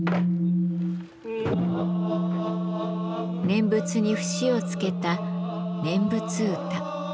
念仏に節をつけた念仏歌。